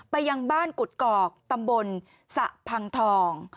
ยังบ้านกุฎกอกตำบลสะพังทอง